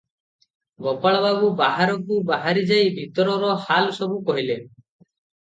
ଗୋପାଳବାବୁ ବାହାରକୁ ବାହାରି ଯାଇ ଭିତରର ହାଲ ସବୁ କହିଲେ ।